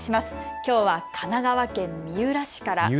きょうは神奈川県三浦市から。